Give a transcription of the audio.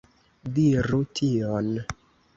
Diru tion.